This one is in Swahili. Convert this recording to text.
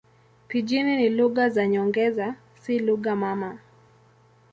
Pijini ni lugha za nyongeza, si lugha mama.